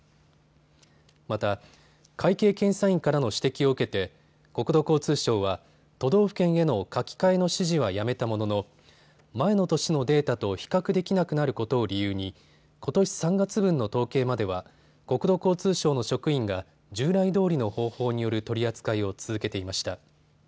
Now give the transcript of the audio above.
また、会計検査院からの指摘を受けて国土交通省は都道府県への書き換えの指示はやめたものの前の年のデータと比較できなくなることを理由にことし３月分の統計までは国土交通省の職員が従来どおりの方法による取り扱いを続けていました。